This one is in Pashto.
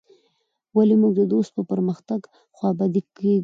ولي موږ د دوست په پرمختګ خوابدي کيږو.